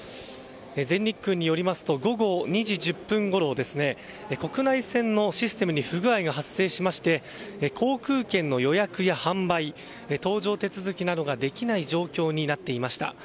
全日空によりますと午後２時１０分ごろ国内線のシステムに不具合が発生しまして航空券の予約や販売搭乗手続きなどができない状況になっていました。